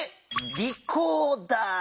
リコーダー。